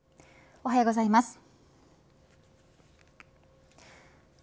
おはようございます。